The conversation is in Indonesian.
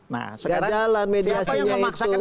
nah sekarang siapa yang memaksakan